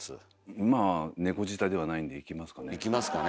まあ猫舌ではないんでいきますかね。